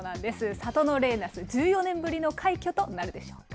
サトノレイナス、１４年ぶりの快挙となるでしょうか。